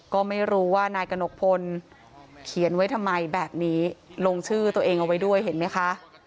ก็ไม่รู้ว่านายกระหนกพลเขียนไว้ทำไมแบบนี้ลงชื่อตัวเองเอาไว้ด้วยเห็นไหมคะ